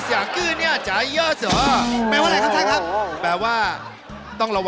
ขอยืนตกมูลให้ลองเร็ว